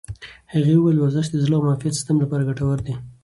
هغې وویل ورزش د زړه او معافیت سیستم لپاره ګټور دی.